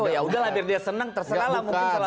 ya udah lah biar dia seneng terserah lah mungkin salah satu